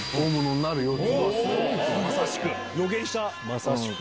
まさしく。